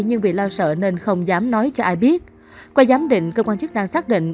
nhưng vì lo sợ nên không dám nói cho ai biết qua giám định cơ quan chức năng xác định